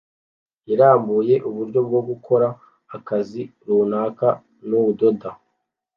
irambuye uburyo bwo gukora akazi runaka nudodo